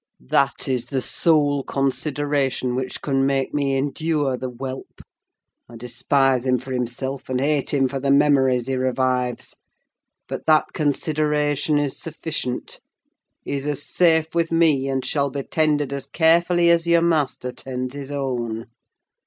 That is the sole consideration which can make me endure the whelp: I despise him for himself, and hate him for the memories he revives! But that consideration is sufficient: he's as safe with me, and shall be tended as carefully as your master tends his own.